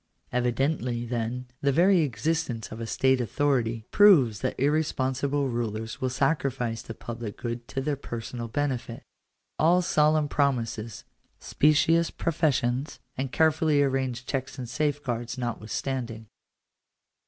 Evidently, then, the very existence of a state authority proves that irresponsible rulers will sacrifice the public good to their personal benefit ; all solemn promises, specious professions, and carefully arranged checks and safeguards, notwithstanding.